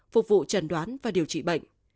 phục vụ trần đoán và điều trị bệnh